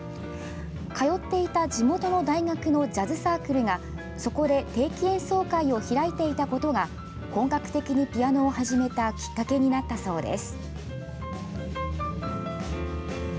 通っていた地元の大学のジャズサークルがそこで定期演奏会を開いていたことが本格的にピアノを始めたきっかけになったそうです。